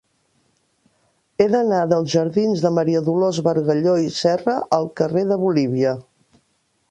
He d'anar dels jardins de Maria Dolors Bargalló i Serra al carrer de Bolívia.